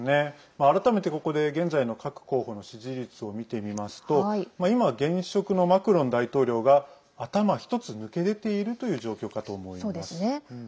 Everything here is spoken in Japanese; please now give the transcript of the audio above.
改めて、ここで現在の各候補の支持率を見てみますと今、現職のマクロン大統領が頭１つ抜け出ているという状況かと思います。